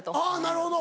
なるほど。